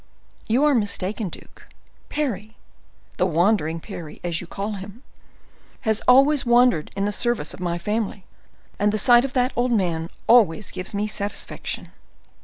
"You are mistaken, duke. Parry—the wandering Parry, as you call him—has always wandered in the service of my family, and the sight of that old man always gives me satisfaction."